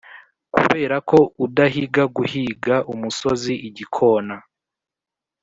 kuberako udahiga guhiga umusozi igikona